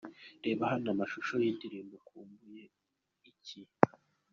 Reba hano amashusho y'indirimbo 'Ukumbuye iki'.